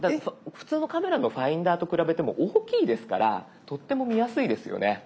普通のカメラのファインダーと比べても大きいですからとっても見やすいですよね。